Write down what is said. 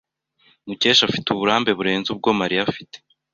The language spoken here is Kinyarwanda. Mukesha afite uburambe burenze ubwo Mariya afite.